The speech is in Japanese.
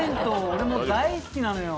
俺も大好きなのよ。